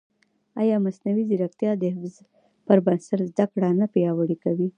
ایا مصنوعي ځیرکتیا د حفظ پر بنسټ زده کړه نه پیاوړې کوي؟